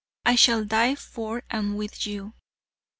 I shall die for and with you.